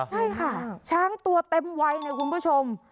ใช่ค่ะช้างตัวเต็มวัยนะคุณผู้ชม